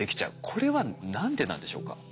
これは何でなんでしょうか？